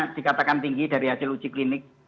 yang dikatakan tinggi dari hasil uji klinik